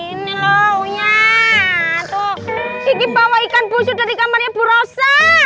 ini loh uya tuh kiki bawa ikan busu dari kamarnya purwosa